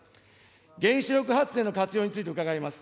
原子力発電の活用について伺います。